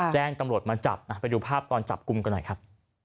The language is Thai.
แจ้งตำรวจมาจับไปดูภาพตอนจับกลุ่มกันหน่อยครับ